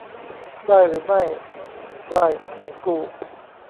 ได้หรือไม่ได้เงินกู้